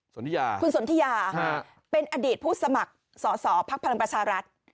สนทิยาครับคุณสนทิยาเป็นอดีตผู้สมัครสสภพลังประชารัฐ